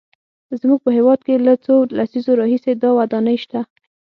زموږ په هېواد کې له څو لسیزو راهیسې دا ودانۍ شته.